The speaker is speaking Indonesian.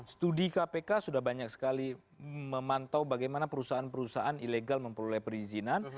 studi kpk sudah banyak sekali memantau bagaimana perusahaan perusahaan ilegal memperoleh perizinan